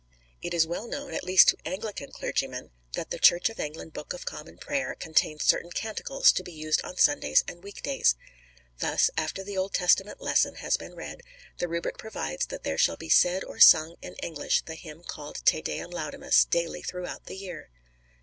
It is well known, at least to Anglican clergymen, that the Church of England Book of Common Prayer contains certain "Canticles," to be used on Sundays and week days. Thus, after the Old Testament lesson has been read, the rubric provides that "there shall be said or sung in English the hymn called Te Deum laudamus daily throughout the year."